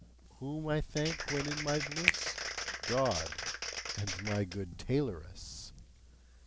Whom I thank when in my bliss? God! and my good tailoress!